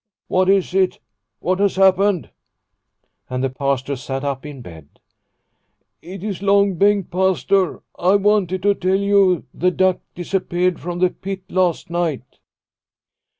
" What is it ? What has happened ?" And the Pastor sat up in bed. " It is Long Bengt, Pastor. I wanted to tell you the duck disappeared from the pit last night."